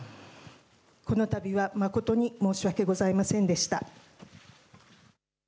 このたびは誠に申し訳ございませんでした。